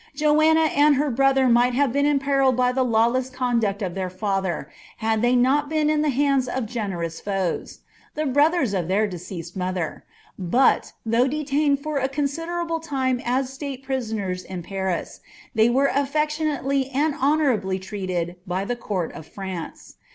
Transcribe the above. Joanna and her brother might have been imperilled by the lawless conduct of their fother, had they not been in the hands of generous foes — the brothers of their deceased mother ; but, though detained for a considerable time as state prisoners in Paris, they were affectionately and honourably treated by the court of France.